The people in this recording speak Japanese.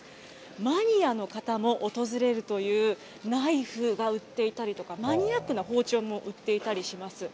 マニアの方も訪れるというナイフが売っていたりとか、マニアックな包丁も売っていたりします。